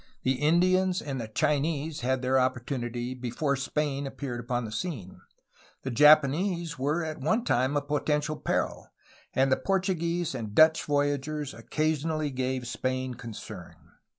The Indians and the Chinese had their opportunity before Spain appeared upon the scene. The Japanese were at one time a potential peril, and the Portuguese and Dutch voyagers occasionally gave Spain concern.